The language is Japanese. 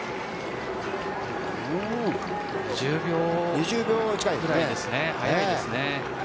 ２０秒近いですね。